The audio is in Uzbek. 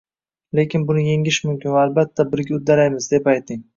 Lekin buni yengish mumkin, va albatta, birga uddalaymiz?” deb ayting.